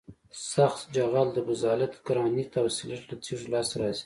سخت جغل د بزالت ګرانیت او سلیت له تیږو لاسته راځي